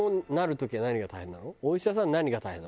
お医者さん何が大変なの？